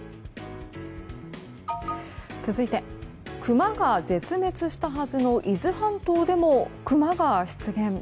続いて、クマが絶滅したはずの伊豆半島でもクマが出現。